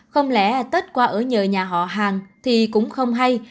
không lẽ tết qua ở nhờ nhà họ hàng thì cũng không hay